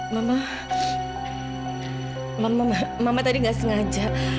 mama mama tadi gak sengaja